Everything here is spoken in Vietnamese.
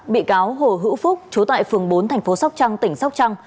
bị cáo hồ hữu phúc chú tại phường bốn tp sốc trăng tỉnh sốc trăng